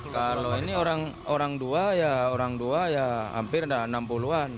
kalau ini orang dua ya hampir rp enam puluh